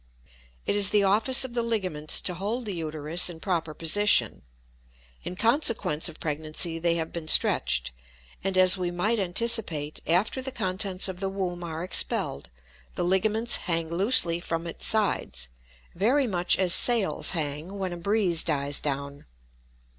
It is the office of the ligaments to hold the uterus in proper position. In consequence of pregnancy they have been stretched, and, as we might anticipate, after the contents of the womb are expelled the ligaments hang loosely from its sides, very much as sails hang when a breeze dies down.